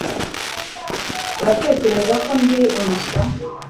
uratekereza ko ndi umuswa